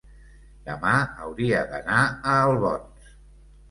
demà hauria d'anar a Albons.